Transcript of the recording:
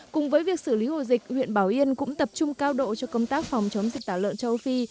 cùng với việc xử lý ổ dịch huyện bảo yên cũng tập trung cao độ cho công tác phòng chống dịch tả lợn châu phi